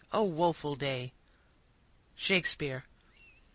O woful day! —SHAKESPEARE.